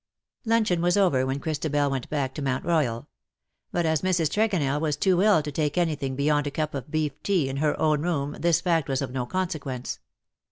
Luncheon was over when Christabel went back to Mount Royal ; but as Mrs. Tregonell was too ill to take anything beyond a cup of beef tea in her own room this fact was of no consequence.